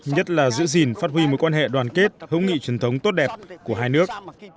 nhất là giữ gìn phát huy mối quan hệ đoàn kết hữu nghị truyền thống tốt đẹp của hai nước